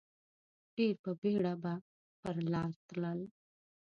ډېر په بېړه به پر لار تلل.